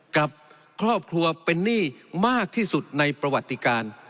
กับครอบครัวเป็นหนี้มากที่สุดในประวัติการ